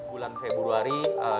bulan februari dua ribu dua puluh dua